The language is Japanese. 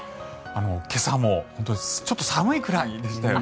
今朝も本当にちょっと寒いくらいでしたよね。